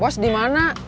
bos di mana